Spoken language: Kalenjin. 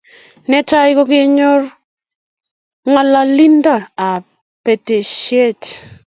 Netai ko kenyor ngalalindo ab batishet